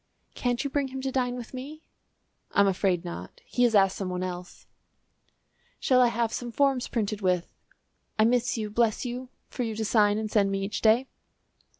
"Can't you bring him to dine with me?" "I'm afraid not; he has asked some one else." "Shall I have some forms printed with 'I miss you, bless you,' for you to sign and send me each day."